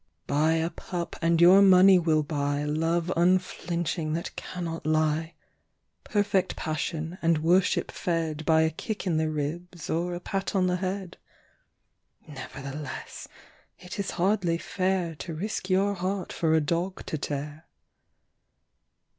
Buy a pup and your money will buy Love unflinching that cannot lie Perfect passion and worship fed By a kick in the ribs or a pat on the head. Nevertheless it is hardly fair To risk your heart for a dog to tear.